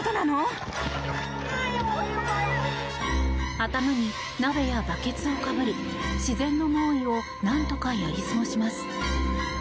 頭に鍋やバケツをかぶり自然の猛威をなんとかやり過ごします。